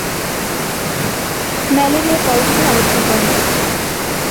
ম্যালেরিয়ার পরজীবী আবিষ্কার করেন কে?